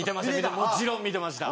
もちろん見てました。